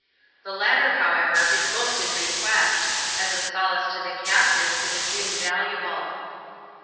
The latter, however, is most in request ; as a solace to the captive, it is invaluable.